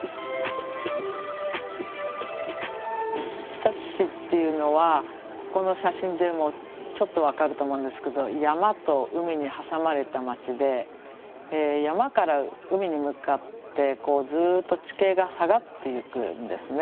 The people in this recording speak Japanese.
日立市っていうのはここの写真でもちょっと分かると思うんですけど山と海に挟まれた町で山から海に向かってずっと地形が下がっていくんですね。